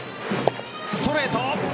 ストレート。